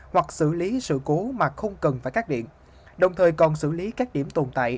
hoặc xử lý sự cố mà không cần phải cắt điện đồng thời còn xử lý các điểm tồn tại